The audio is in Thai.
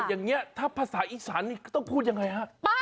อย่างเนี่ยถ้าภาษาอีสานก็ต้องพูดยังไงค่ะ